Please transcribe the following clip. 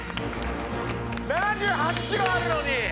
７８キロあるのに。